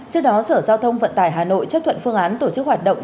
trước đó sở giao thông vận tải hà nội chấp thuận phương án tổ chức hoạt động